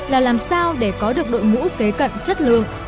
là làm sao để có được đội ngũ kế cận chất lượng